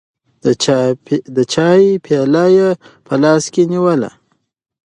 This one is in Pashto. د چای پیاله یې په لاس کې ونیوله.